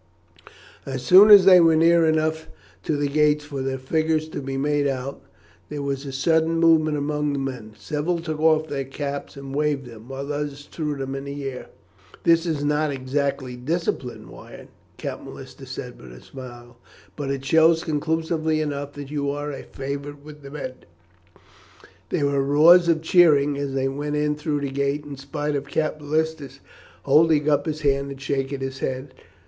As soon as they were near enough to the gates for their figures to be made out, there was a sudden movement among the men. Several took off their caps and waved them, while others threw them into the air. "This is not exactly discipline, Wyatt," Captain Lister said, with a smile; "but it shows conclusively enough that you are a favourite with the men." There were roars of cheering as they went in through the gates, in spite of Captain Lister holding up his hand and shaking his head.